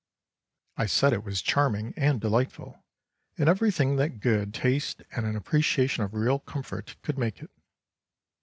I said it was charming and delightful, and everything that good taste and an appreciation of real comfort could make it.